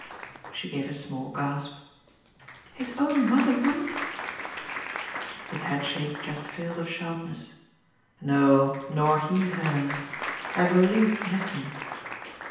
She gave a small gasp. "His own mother wouldn't ?" His headshake just failed of sharpness. "No, nor he her. There's a link missing."